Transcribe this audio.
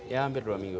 ya hampir dua minggu